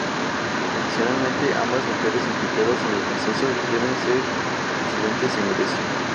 Adicionalmente ambas mujeres implicadas en el proceso deben ser residentes en Grecia.